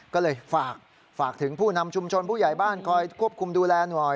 ก็เลยฝากถึงผู้นำชุมชนผู้ใหญ่บ้านคอยควบคุมดูแลหน่อย